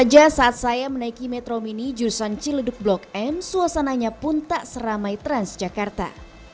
saja saat saya menaiki metro mini jurusan ciledug blok m suasananya pun tak seramai transjakarta